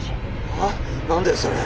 はあ⁉何だよそれ。